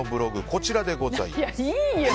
こちらでございます。